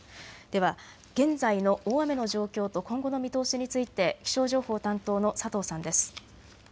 では現在の大雨の状況と今後の見通しについて気象情報担当の佐藤さんです。